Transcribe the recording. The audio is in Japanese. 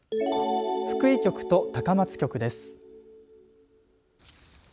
福井局と高松局です。